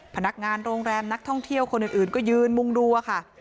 พนักงานโรงแรมนักท่องเที่ยวคนอื่นก็ยืนมุงดูค่ะ